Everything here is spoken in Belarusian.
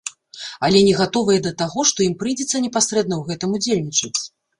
Але не гатовыя да таго, што ім прыйдзецца непасрэдна ў гэтым удзельнічаць.